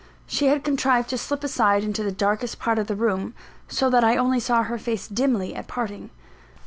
She had contrived to slip aside into the darkest part of the room, so that I only saw her face dimly at parting.